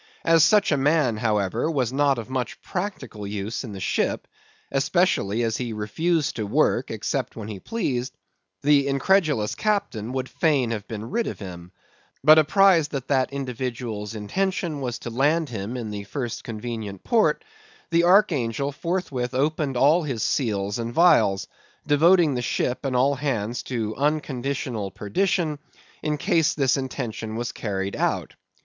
As such a man, however, was not of much practical use in the ship, especially as he refused to work except when he pleased, the incredulous captain would fain have been rid of him; but apprised that that individual's intention was to land him in the first convenient port, the archangel forthwith opened all his seals and vials—devoting the ship and all hands to unconditional perdition, in case this intention was carried out.